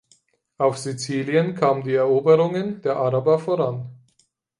Auf Sizilien kamen die Eroberungen der Araber voran.